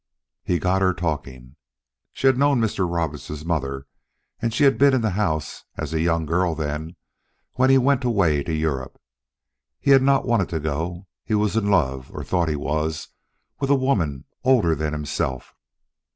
He got her talking. She had known Mr. Roberts' mother, and she had been in the house (a young girl then) when he went away to Europe. He had not wanted to go. He was in love, or thought he was, with a woman older than himself.